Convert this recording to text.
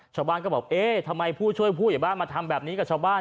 ชาวบ้านก็บอกเอ๊ะทำไมผู้ช่วยผู้ใหญ่บ้านมาทำแบบนี้กับชาวบ้าน